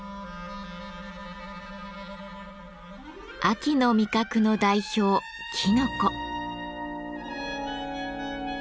秋の味覚の代表きのこ。